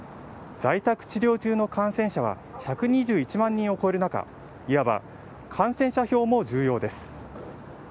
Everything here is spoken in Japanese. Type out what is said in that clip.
在宅治療中の感染者は１２１万人を超える中、いわば感染者票も重要です。